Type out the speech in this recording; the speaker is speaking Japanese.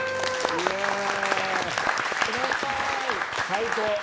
最高。